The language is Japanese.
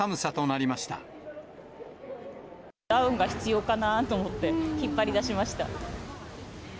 ダウンが必要かなと思って、引っ張り出しました。